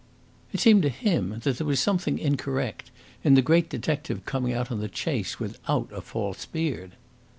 It seemed to him that there was something incorrect in the great detective coming out on the chase without a false beard.